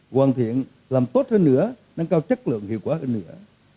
hoàn thiện làm tốt hơn nữa nâng cao chất lượng hiệu quả hơn nữa